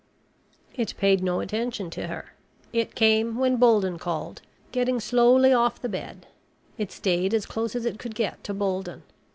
It paid no attention to her. It came when Bolden called, getting slowly off the bed. It stayed as close as it could get to Bolden.